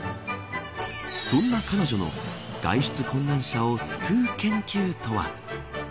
そんな彼女の外出困難者を救う研究とは。